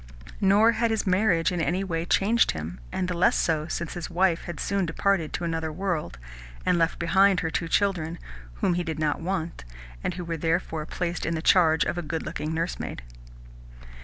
Nor had his marriage in any way changed him, and the less so since his wife had soon departed to another world, and left behind her two children, whom he did not want, and who were therefore placed in the charge of a good looking nursemaid.